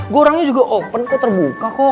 gue orangnya juga open kok terbuka kok